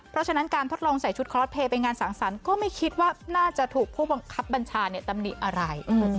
เพราะฉะนั้นการทดลองใส่ชุดคลอสเพลย์เป็นงานสั่งสรรค์ก็ไม่คิดว่าน่าจะถูกผู้บังคับบัญชาตำหนิอะไร